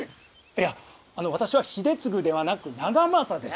いや私は秀次ではなく長政です。